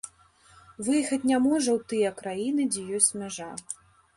Выехаць не можа ў тыя краіны, дзе ёсць мяжа.